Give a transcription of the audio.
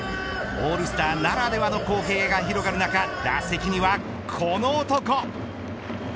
オールスターならではの光景が広がる中打席にはこの男。